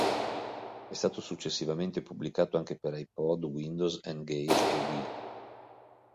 È stato successivamente pubblicato anche per iPod, Windows, N-Gage e Wii.